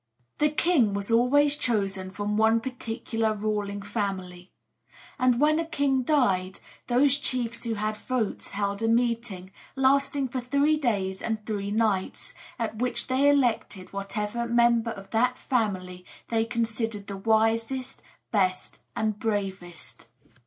The king was always chosen from one particular ruling family; and when a king died, those chiefs who had votes held a meeting, lasting for three days and three nights, at which they elected whatever member of that family they considered the wisest, best, and bravest.